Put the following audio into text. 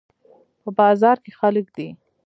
په بازار کې خلک دي